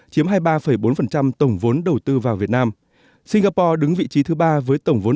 chiếm hai mươi ba bốn tổng vốn đầu tư vào việt nam singapore đứng vị trí thứ ba với tổng vốn